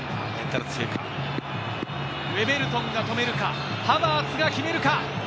ウェベルトンが止めるか、ハバーツが決めるか。